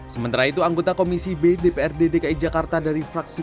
sementara itu anggota komisi b dprd dki jakarta dari fraksi